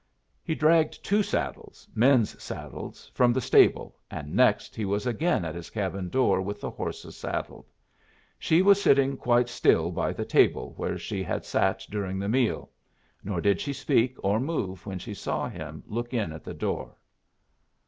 He dragged two saddles men's saddles from the stable, and next he was again at his cabin door with the horses saddled. She was sitting quite still by the table where she had sat during the meal, nor did she speak or move when she saw him look in at the door.